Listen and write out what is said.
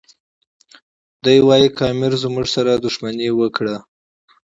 دی وایي که امیر زموږ سره دښمني راواخلي.